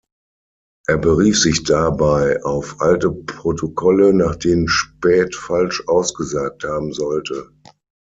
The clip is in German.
Er berief sich dabei auf alte Protokolle, nach denen Späth falsch ausgesagt haben sollte.